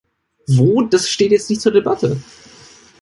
Wo, das steht jetzt nicht zur Debatte.